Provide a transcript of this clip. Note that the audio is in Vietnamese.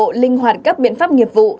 đồng bộ linh hoạt các biện pháp nghiệp vụ